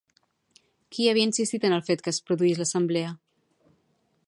Qui havia insistit en el fet que es produís l'assemblea?